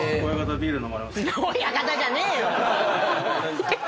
親方じゃねえよ！